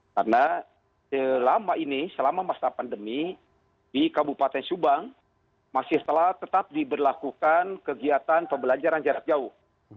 karena selama ini selama masa pandemi di kabupaten subang masih telah tetap diberlakukan kegiatan pembelajaran jarak jauh